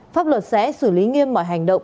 pháp luật sẽ xử lý nghiêm mọi hành động